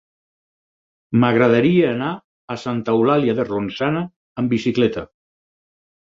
M'agradaria anar a Santa Eulàlia de Ronçana amb bicicleta.